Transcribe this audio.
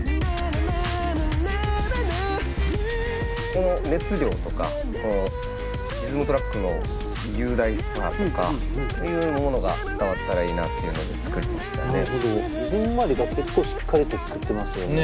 この熱量とかリズムトラックの雄大さとかいうものが伝わったらいいなっていうので作りましたね。